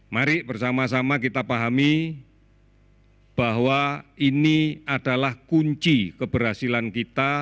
mari bersama sama kita pahami bahwa ini adalah kunci keberhasilan kita